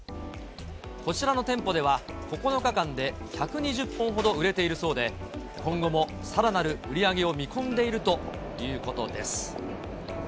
こちらの店舗では、９日間で１２０本ほど売れているそうで、今後もさらなる売り上げを見込んでいるということです。